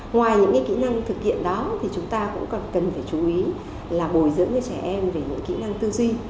ngoài những kỹ năng thực hiện đó thì chúng ta cũng còn cần phải chú ý là bồi dưỡng cho trẻ em về những kỹ năng tư duy